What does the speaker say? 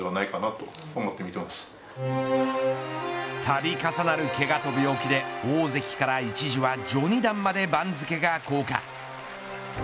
度重なるけがと病気で大関から一時は序二段まで番付が降下。